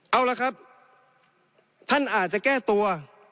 เอาละครับท่านอาจจะแก้ตัว